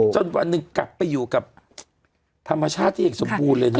จนการไปอยู่กับธรรมชาติที่สมพูลเลย